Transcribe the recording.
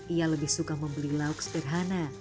ia lebih suka membeli lauk sederhana